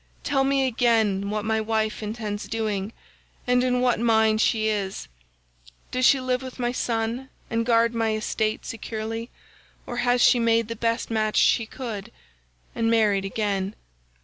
Tell me again what my wife intends doing, and in what mind she is; does she live with my son and guard my estate securely, or has she made the best match she could and married again?